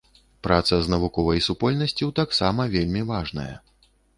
Праца з навуковай супольнасцю таксама вельмі важная.